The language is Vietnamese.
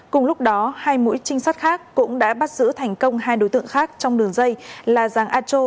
cùng lúc đó hai mũi trinh sát khác cũng đã bắt giữ thành công hai đối tượng khác trong đường dây là giàng a chô